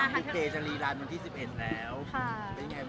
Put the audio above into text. มันเป็นปัญหาจัดการอะไรครับ